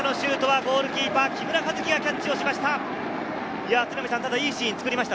ゴールキーパー・木村和輝がキャッチしました。